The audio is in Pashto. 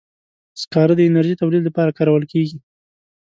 سکاره د انرژي تولید لپاره کارول کېږي.